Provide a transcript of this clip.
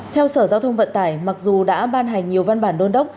theo sở giao thông vận tải mặc dù đã ban hành nhiều văn bản đôn đốc